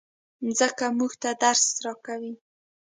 مځکه موږ ته درس راکوي.